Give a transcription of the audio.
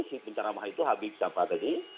si penceramah itu habib shafa tadi